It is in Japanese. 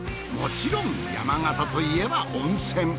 もちろん山形といえば温泉。